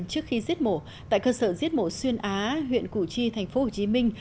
trước khi giết mổ tại cơ sở giết mổ xuyên á huyện củ chi tp hcm